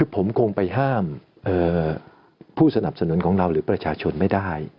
ผมคงไปห้ามผู้สนับสนุนของเราหรือประชาชนไม่ได้